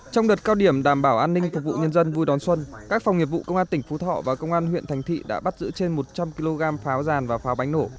trong đợt cao điểm đảm bảo an ninh phục vụ nhân dân vui đón xuân các phòng nghiệp vụ công an tỉnh phú thọ và công an huyện thành thị đã bắt giữ trên một trăm linh kg pháo ràn và pháo bánh nổ